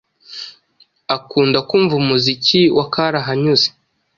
Akunda kumva umuziki wa karahanyuze.